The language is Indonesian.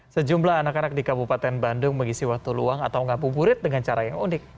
sejumlah anak anak di kabupaten bandung mengisi waktu luang atau ngapu burit dengan cara yang unik